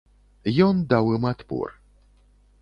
Ён даў ім адпор.